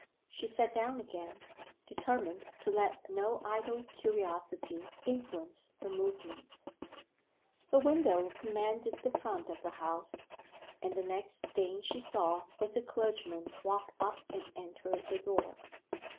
She sat down again, determined to let no idle curiosity influence her movements. Her window commanded the front of the house; and the next thing she saw was a clergyman walk up and enter the door.